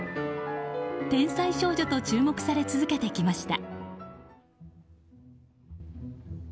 天才少女と注目され続けてきました。